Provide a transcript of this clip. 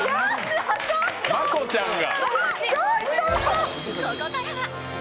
真子ちゃんが。